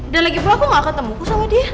dan lagi pun aku gak ketemu aku sama dia